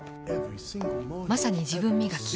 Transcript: まさに自分磨き。